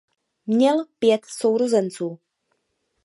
Měl pět sourozenců.